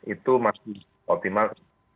itu masih optimal